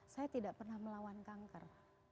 saya tidak pernah melawan kanker